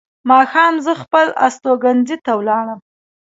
ماښام زه خپل استوګنځي ته ولاړم.